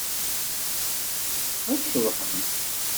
Ad tceḍḥem.